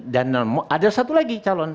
dan ada satu lagi calon